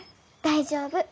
大丈夫。